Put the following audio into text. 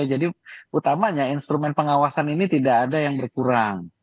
jadi utamanya instrumen pengawasan ini tidak ada yang berkurang